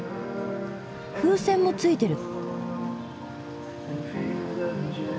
風船もついてる。